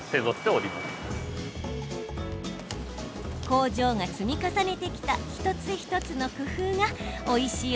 工場が積み重ねてきた一つ一つの工夫がおいしい